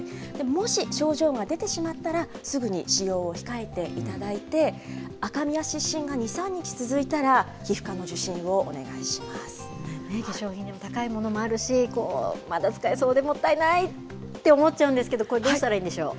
もし症状が出てしまったら、すぐに使用を控えていただいて、赤みや湿疹が２、３日続いたら、化粧品でも高いものもあるし、まだ使えそうでもったいないって思っちゃうんですけど、これ、どうしたらいいんでしょう。